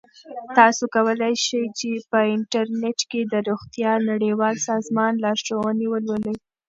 تاسو کولی شئ په انټرنیټ کې د روغتیا نړیوال سازمان لارښوونې ولولئ.